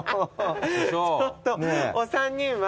ちょっとお三人は。